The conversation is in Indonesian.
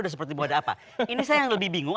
udah seperti apa ini saya yang lebih bingung